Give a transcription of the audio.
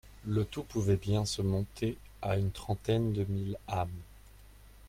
Le tout pouvait bien se monter à une trentaine de mille âmes.